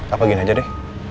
apa gini aja deh